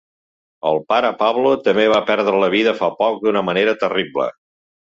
El pare Pablo també va perdre la vida fa poc d'una manera terrible.